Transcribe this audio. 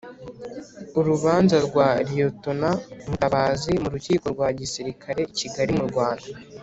Urubanza rwa Lt Mutabazi m'urukiko rwa gisilikare i Kigali mu Rwanda.